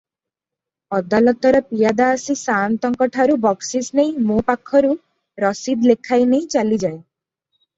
ଅଦାଲତର ପିଆଦା ଆସି ସାଆନ୍ତଙ୍କଠାରୁ ବକ୍ସିସ ନେଇ ମୋ ପାଖରୁ ରସିଦ ଲେଖାଇନେଇ ଚାଲିଯାଏ ।